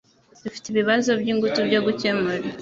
Dufite ibibazo byingutu byo gukemura